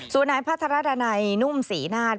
สุนัยพัทรดาในนุ่มศรีนาฏ